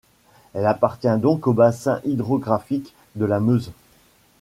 Elle appartient donc au bassin hydrographique de la Meuse.